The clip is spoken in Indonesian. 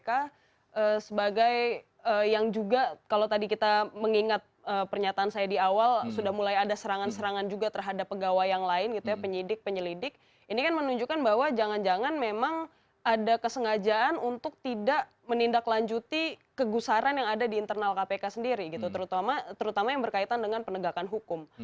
karena sebagai yang juga kalau tadi kita mengingat pernyataan saya di awal sudah mulai ada serangan serangan juga terhadap pegawai yang lain gitu ya penyidik penyelidik ini kan menunjukkan bahwa jangan jangan memang ada kesengajaan untuk tidak menindaklanjuti kegusaran yang ada di internal kpk sendiri gitu terutama yang berkaitan dengan penegakan hukum